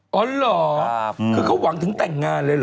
อ๋อเหรอคือเขาหวังถึงแต่งงานเลยเหรอ